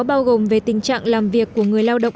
bao gồm về tình trạng làm việc của người lao động